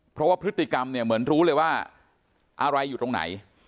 เพราะว่าพฤติกรรมเนี่ยเหมือนรู้เลยว่าอะไรอยู่ตรงไหน